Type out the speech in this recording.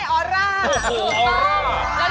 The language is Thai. โอ้โฮออร่า